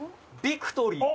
『ビクトリィ』？